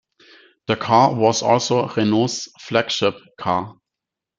The car was also Renault's flagship car.